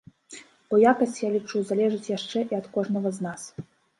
Бо якасць, я лічу, залежыць яшчэ і ад кожнага з нас.